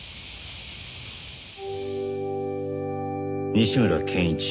西村健一